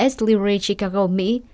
s lurie chicago mỹ